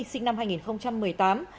sinh năm hai nghìn một mươi tám